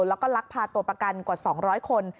แล้วก็ลักพาตัวประกันกว่า๒๐๐คน